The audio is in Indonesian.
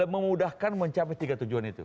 memudahkan mencapai tiga tujuan itu